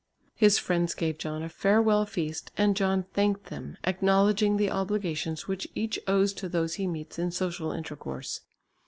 His friends gave John a farewell feast and John thanked them, acknowledging the obligations which each owes to those he meets in social intercourse.